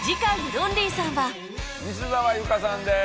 西澤由夏さんです。